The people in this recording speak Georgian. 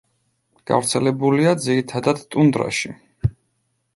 გავრცელებულია ძირითადად ტუნდრაში.